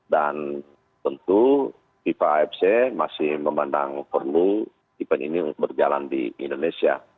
dan tentu fifa afc masih memandang perlu event ini berjalan di indonesia